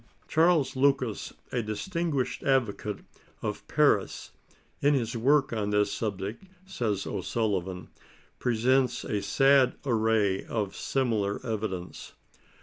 " Charles Lucas, a distinguished advocate of Paris, in his work on this subject," says O' Sullivan, " presents a sad array of similar eviJence."